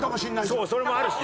そうそれもあるし。